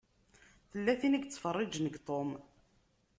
Tella tin i yettfeṛṛiǧen deg Tom.